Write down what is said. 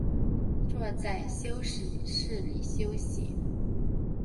坐在休息室里面休息